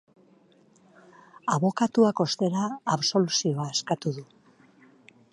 Abokatuak, ostera, absoluzioa eskatu du.